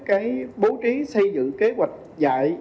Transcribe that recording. cái bố trí xây dựng kế hoạch dạy